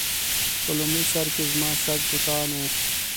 په لومړي سر کې زما شک بتان و.